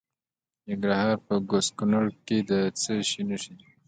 د ننګرهار په کوز کونړ کې د څه شي نښې دي؟